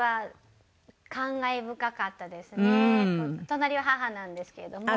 隣は母なんですけれども。